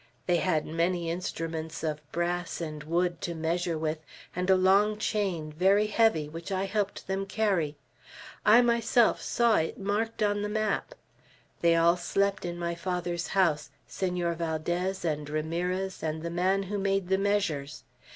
They had many instruments of brass and wood to measure with, and a long chain, very heavy, which I helped them carry. I myself saw it marked on the map. They all slept in my father's house, Senor Valdez, and Ramirez, and the man who made the measures.